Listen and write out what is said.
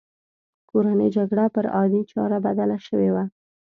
کورنۍ جګړه پر عادي چاره بدله شوې وه.